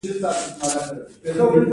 دوی کولای شو توکي په خپله خوښه وپلوري